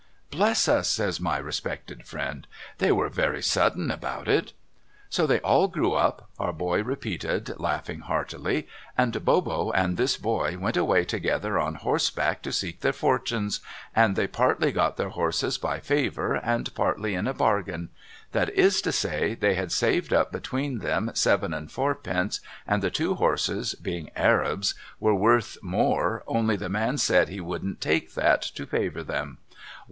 ' Bless us !' says my respected friend. ' They were very sudden about it.' ' So they all grew up,' our boy repeated, laughing heartily, ' and Bobbo and this boy went away together on horseback to seek their fortunes, and they partly got their horses by favour, and partly in a bargain ; that is to say, they had saved up between them seven and fourpence, and the two horses, being Arabs, were worth more, only the man said he would take that, to favour them.